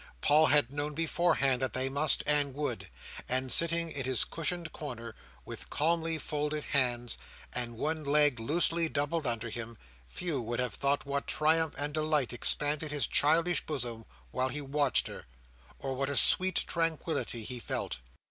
Paul had known beforehand that they must and would; and sitting in his cushioned corner, with calmly folded hands; and one leg loosely doubled under him, few would have thought what triumph and delight expanded his childish bosom while he watched her, or what a sweet tranquillity he felt.